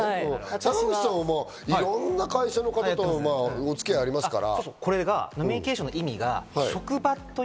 坂口さんはいろんな会社の方とお付き合いがありますから。